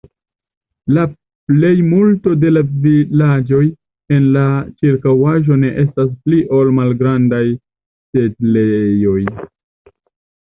La plejmulto de la vilaĝoj en la ĉirkaŭaĵo ne estas pli ol malgrandaj setlejoj.